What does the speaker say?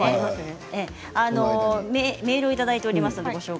メールをいただいています。